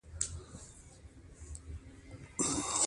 قدرت ته د رسېدو تفکر هم له نورو عواملو سره یو ځای کړو.